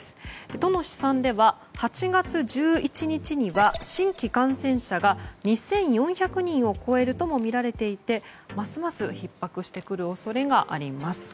都の試算では８月１１日には新規感染者が２４００人を超えるともみられていてますますひっ迫してくる恐れがあります。